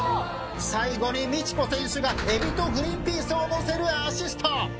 最後に美智子選手がエビとグリーンピースを載せるアシスト。